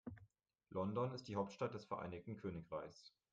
London ist die Hauptstadt des Vereinigten Königreichs.